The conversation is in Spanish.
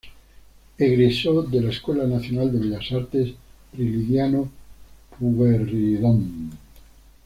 Egresó de la Escuela Nacional de Bellas Artes Prilidiano Pueyrredón.